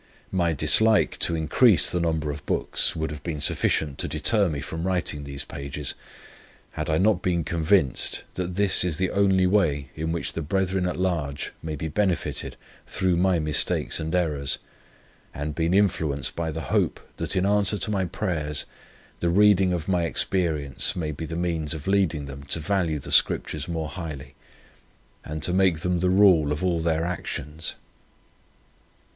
My dislike to increase the number of books would have been sufficient to deter me from writing these pages, had I not been convinced, that this is the only way in which the brethren at large may be benefited through my mistakes and errors, and been influenced by the hope, that in answer to my prayers, the reading of my experience may be the means of leading them to value the Scriptures more highly, and to make them the rule of all their actions.